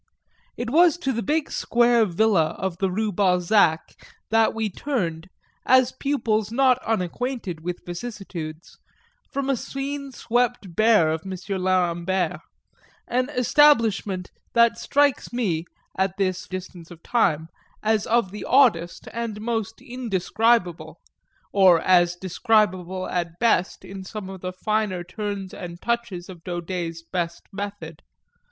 It was to the big square villa of the Rue Balzac that we turned, as pupils not unacquainted with vicissitudes, from a scene swept bare of M. Lerambert, an establishment that strikes me, at this distance of time, as of the oddest and most indescribable or as describable at best in some of the finer turns and touches of Daudet's best method.